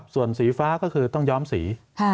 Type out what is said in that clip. ส่วนสีฟ้าก็คือต้องย้อมสี